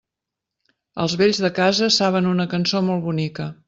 Els vells de casa saben una cançó molt bonica.